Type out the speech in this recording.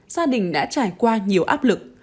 gia đình đã trải qua nhiều áp lực